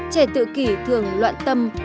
trẻ tự kỷ thường loạn tâm